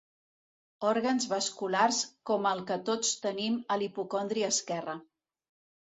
Òrgans vasculars com el que tots tenim a l'hipocondri esquerre.